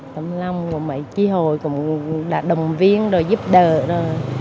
tâm lòng của mấy chị hồ cũng đã đồng viên rồi giúp đỡ rồi